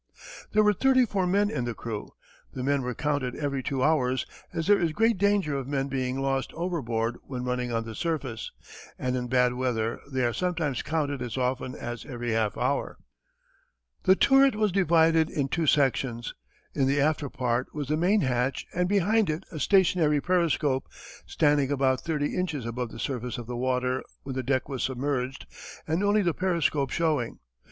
There were thirty four men in the crew. The men are counted every two hours, as there is great danger of men being lost overboard when running on the surface, and in bad weather they are sometimes counted as often as every half hour. The turret was divided in two sections. In the after part was the main hatch and behind it a stationary periscope, standing about thirty inches above the surface of the water when the deck was submerged and only the periscope showing.